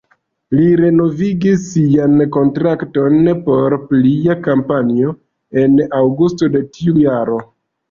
Li renovigis sian kontrakton por plia kampanjo en aŭgusto de tiu jaro.